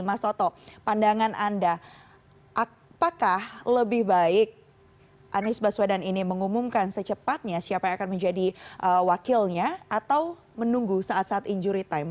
mas toto pandangan anda apakah lebih baik anies baswedan ini mengumumkan secepatnya siapa yang akan menjadi wakilnya atau menunggu saat saat injury time